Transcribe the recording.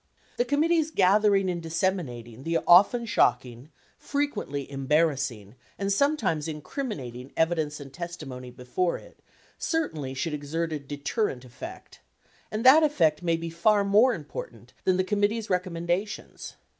The committee's gathering and disseminating the often shocking, fre quently embarrassing, and sometimes incriminating evidence and testi mony before it certainly should exert a deterrent effect ; and that effect may be far more important than the committee's recommendations.